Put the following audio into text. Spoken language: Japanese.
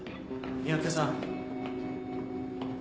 三宅さん！